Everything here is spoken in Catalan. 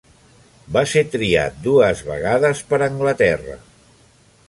Va ser triat dues vegades per Anglaterra.